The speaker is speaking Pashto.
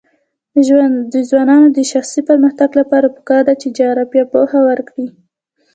د ځوانانو د شخصي پرمختګ لپاره پکار ده چې جغرافیه پوهه ورکړي.